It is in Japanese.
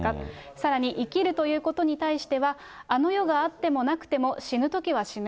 さらに、生きるということに対しては、あの世があってもなくても、死ぬときは死ぬ。